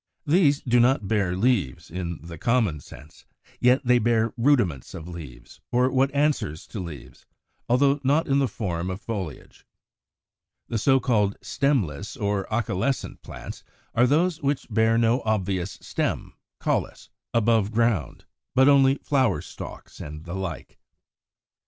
These do not bear leaves, in the common sense; yet they bear rudiments of leaves, or what answers to leaves, although not in the form of foliage. The so called stemless or acaulescent plants are those which bear no obvious stem (caulis) above ground, but only flower stalks, and the like.